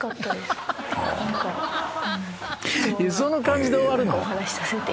その感じで終わるの？